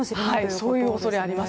そういう恐れ、あります。